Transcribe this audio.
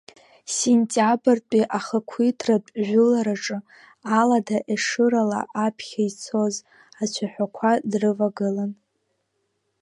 Сентиабртәи ахақәиҭтәратә жәылараҿы Алада Ешырала аԥхьа ицоз ацәаҳәақәа дрывагылан.